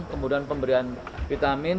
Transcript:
kemudian pemberian vitamin